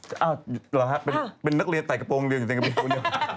หรอครับเป็นนักเรียนไต่กระโปร่งเรียนในสัญค์อีกแล้ว